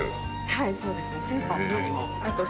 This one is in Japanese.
はいそうですね。